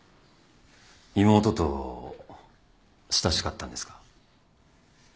妹と親しかったんですか？